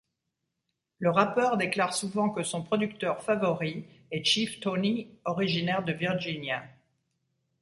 Le rappeur déclare souvent que son producteur favori est Chief Tony, originaire de Virginia.